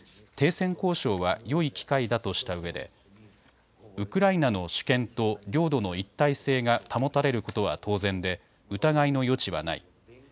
停戦交渉はよい機会だとしたうえでウクライナの主権と領土の一体性が保たれることは当然で疑いの余地はない。